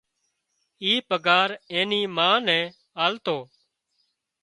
اي پگھار اين نِي مان نين آلتو